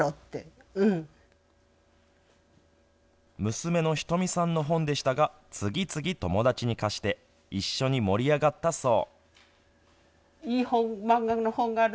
娘のひとみさんの本でしたが次々友達に貸して一緒に盛り上がったそう。